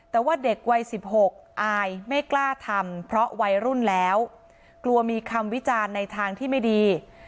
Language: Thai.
แต่ว่าเด็กวัย๑๖อายไม่กล้าทำเพราะวัยรุ่นแล้วกลัวมีคำวิจารณ์ในทางที่ไม่ดี